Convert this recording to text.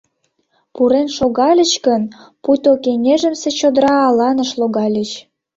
Пурен шогальыч гын, пуйто кеҥежымсе чодыра аланыш логальыч.